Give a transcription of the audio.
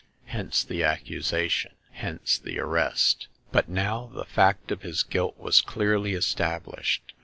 Hence the accusation ; hence the arrest. But now the fact of his guilt was clearly established.